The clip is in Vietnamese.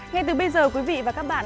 ngay từ bây giờ quý vị và các bạn